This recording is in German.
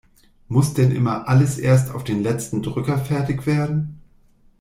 Muss denn immer alles erst auf den letzten Drücker fertig werden?